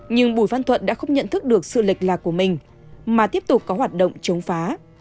nhưng bùi văn thuận đã không nhận thức được sự lệch lạc của mình mà tiếp tục có hoạt động chống phá